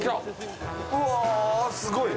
うわすごい。